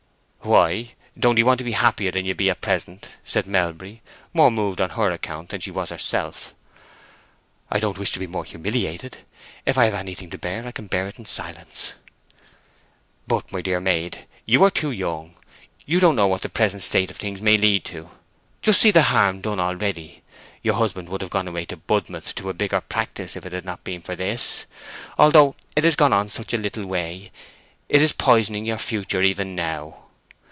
"Why—don't 'ee want to be happier than you be at present?" said Melbury, more moved on her account than she was herself. "I don't wish to be more humiliated. If I have anything to bear I can bear it in silence." "But, my dear maid, you are too young—you don't know what the present state of things may lead to. Just see the harm done a'ready! Your husband would have gone away to Budmouth to a bigger practice if it had not been for this. Although it has gone such a little way, it is poisoning your future even now.